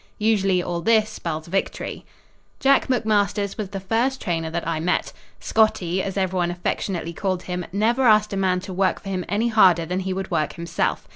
Usually all this spells victory. Jack McMasters was the first trainer that I met. "Scottie," as every one affectionately called him, never asked a man to work for him any harder than he would work himself.